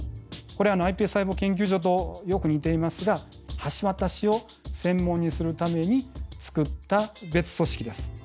これｉＰＳ細胞研究所とよく似ていますが橋渡しを専門にするために作った別組織です。